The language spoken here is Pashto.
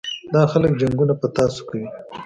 دا خلک جنګونه په تاسو کوي.